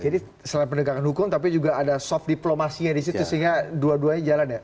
jadi selain pendekatan hukum tapi juga ada soft diplomasinya disitu sehingga dua duanya jalan ya